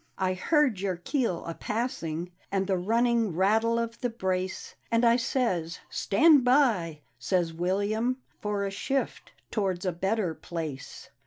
I heard your keel a passing And the running rattle of the brace, And I says, " Stand by," ' says William, '" For a shift towards a better place."